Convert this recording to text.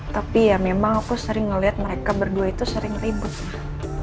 tapi ya memang aku sering melihat mereka berdua itu sering ribut lah